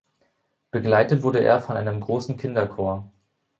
Begleitet wurde er von einem grossen Kinderchor.